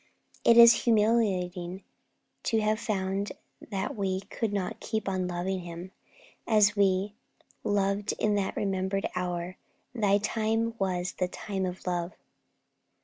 It is humiliating to have found that we could not keep on loving Him, as we loved in that remembered hour when 'Thy time was the time of love.'